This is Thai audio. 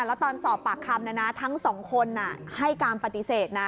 แล้วตอนสอบปากคำทั้งสองคนให้การปฏิเสธนะ